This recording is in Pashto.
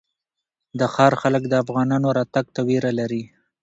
د ښار خلک د افغانانو راتګ ته وېره لري.